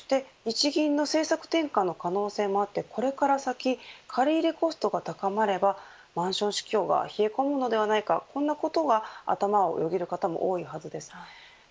そして日銀の政策転換の可能性もあってこれから先、借入れコストが高まる可能性があればマンション市場は冷え込むのではないかそんなことが頭をよぎる方も多いはずです。